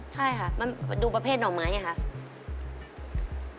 ใช่ค่ะมันดูประเภทหน่อไม้อย่างนี้ค่ะ